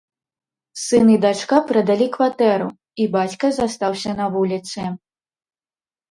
Сын і дачка прадалі кватэру, і бацька застаўся на вуліцы.